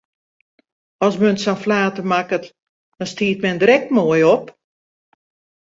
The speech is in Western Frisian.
As men sa'n flater makket, dan stiet men der ek moai op!